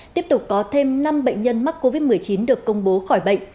tiếp tục có thêm năm bệnh nhân mắc covid một mươi chín được công bố khỏi bệnh